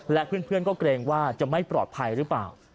และเพื่อนก็เกรงว่าจะไม่ปลอดภัยหรือเปล่า